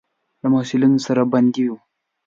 له محصلینو سره بندي وو.